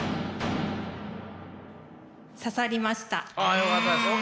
よかったです。